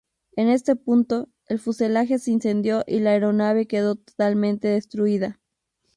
En este punto, el fuselaje se incendió y la aeronave quedó totalmente destruida.